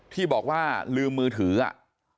ที่บอกว่าลืมมือถืออ่ะ